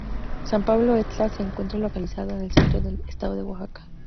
San Pablo Etla se encuentra localizado en el centro del estado de Oaxaca.